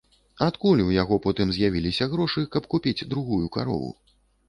Адкуль у яго потым з'явіліся грошы, каб купіць другую карову?